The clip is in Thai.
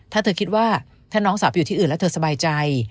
ถ้าเธอคิดว่าถ้าน้องสาวไปอยู่ที่อื่นแล้วเธอสบายใจ